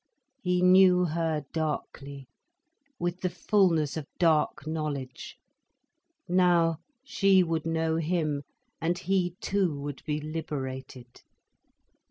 He knew her darkly, with the fullness of dark knowledge. Now she would know him, and he too would be liberated.